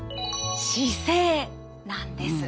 姿勢なんです。